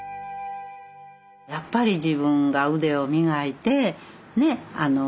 やっぱり自分が腕を磨いてね